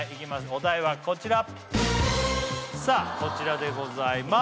お題はこちらさあこちらでございます